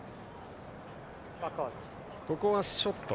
ここはショット。